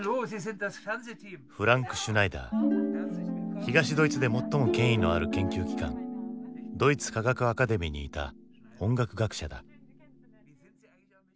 東ドイツで最も権威のある研究機関ドイツ科学アカデミーにいた音楽学者だ。